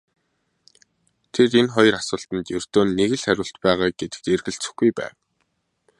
Тэр энэ хоёр асуултад ердөө нэг л хариулт байгаа гэдэгт эргэлзэхгүй байв.